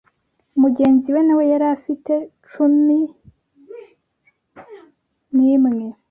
Mugenzi we nawe yari afite cumi nimwe